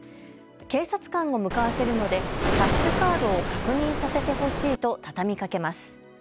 警察官を向かわせるのでキャッシュカードを確認させてほしいと畳みかけます。